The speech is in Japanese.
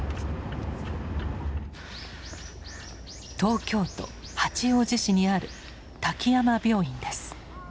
東京都八王子市にある滝山病院です。